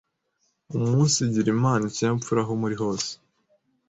Umunsigirirana ikinyabupfura aho muri hose